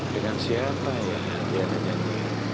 dengan siapa ya adriana janji